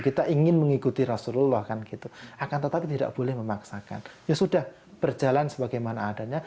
kita ingin mengikuti rasulullah kan gitu akan tetapi tidak boleh memaksakan ya sudah berjalan sebagaimana adanya